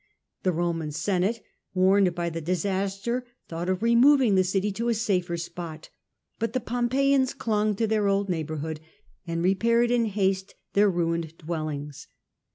The Roman Senate, warned by the disaster, thought of removing the city to a safer spot ; but the Pompeians clung to their old neighbourhood and repaired in haste their ruined dwellings.